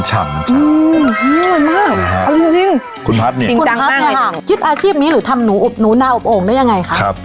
จริงจังมากอ่ะคุณภัทรนี่หรือทำนูหนูนาอุ่มอย่างไรคะครับ